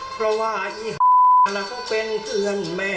เพราะว่าอี๋ฮะน่ะเขาเป็นเพื่อนแม่